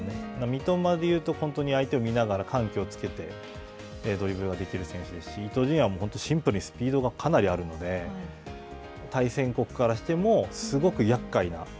三笘で言うと相手を見ながら緩急をつけて、ドリブルができる選手ですし、伊東純也はシンプルにスピードがかなりあるので、対戦国からしても、すごくやっかいな。